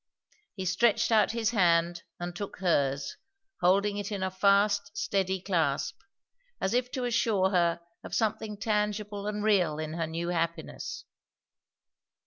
He stretched out his hand and took hers, holding it in a fast steady clasp; as if to assure her of something tangible and real in her new happiness.